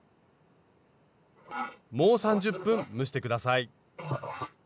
もう３０分蒸して下さい。